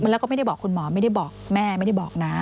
แล้วก็ไม่ได้บอกคุณหมอไม่ได้บอกแม่ไม่ได้บอกนะ